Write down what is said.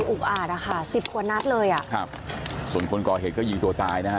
คืออุ๊กอาดอะค่ะ๑๐คนนัดเลยอะส่วนคนก่อเหตุก็ยิงตัวตายนะฮะ